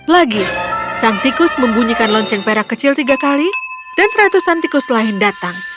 lagi sang tikus membunyikan lonceng perak kecil tiga kali dan ratusan tikus lain datang